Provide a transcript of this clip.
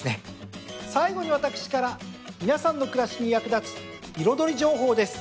最後に私から皆さんの暮らしに役立つ彩り情報です。